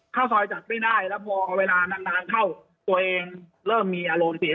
ข้าวซอยจัดไม่ได้แล้วพอเวลานานเข้าตัวเองเริ่มมีอารมณ์เสีย